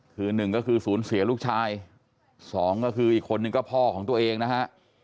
คือหนึ่งก็คือศูนย์เสียลูกชายสองก็คืออีกคนนึงก็พ่อของตัวเองนะฮะ